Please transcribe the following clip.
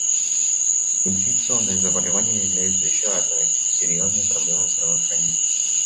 Неинфекционные заболевания являются еще одной серьезной проблемой здравоохранения.